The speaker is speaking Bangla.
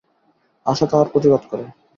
আশা তাহার প্রতিবাদ করে।